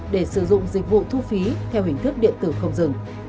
để sử dụng dịch vụ thu phí theo hình thức điện tử không dừng